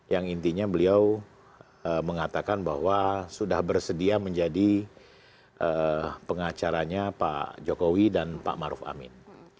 yang intinya beliau mengatakan bahwa sudah bersedia menjadi pengacaranya pak jokowi dan pak maruf amin